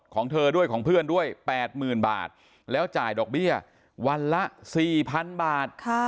ของเธอด้วยของเพื่อนด้วยแปดหมื่นบาทแล้วจ่ายดอกเบี้ยวันละสี่พันบาท